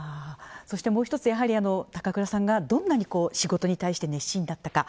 そしてもう一つやはり、高倉さんがどんなに仕事に対して熱心だったか。